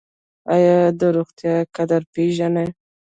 ایا د روغتیا قدر پیژنئ؟